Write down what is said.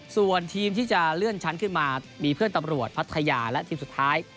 ส่วนทีมที่จะเลื่อนชั้นขึ้นมามีเพื่อนตำรวจพัทยาและทีมสุดท้าย